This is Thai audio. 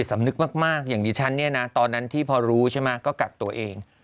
สำนึกมากอย่างดิฉันเนี่ยนะตอนนั้นที่พอรู้ใช่ไหมก็กักตัวเอง